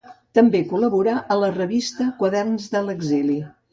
També col·laborà a la revista Quaderns de l'Exili.